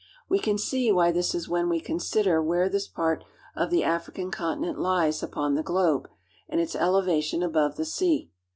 We can see why this is when we consider where this part of the African continent lies upon the globe and its elevation above the sea.